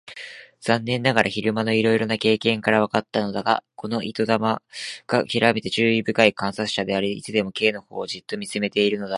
残念ながら昼間のいろいろな経験からわかっていたのだが、この糸玉がきわめて注意深い観察者であり、いつでも Ｋ のほうをじっと見ているのだ。